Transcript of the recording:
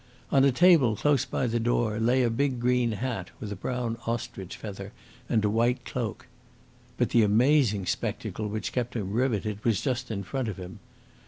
On a table, close by the door, lay a big green hat with a brown ostrich feather, and a white cloak. But the amazing spectacle which kept him riveted was just in front of him.